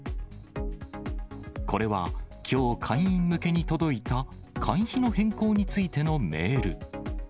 これはきょう、会員向けに届いた会費の変更についてのメール。